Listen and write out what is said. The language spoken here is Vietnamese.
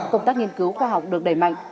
công tác nghiên cứu khoa học được đẩy mạnh